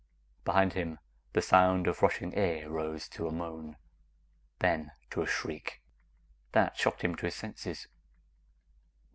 Behind him, the sound of rushing air rose to a moan, then to a shriek. That shocked him to his senses.